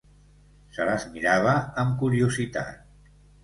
Se les mirava amb curiositat.